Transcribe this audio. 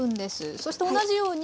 そして同じように。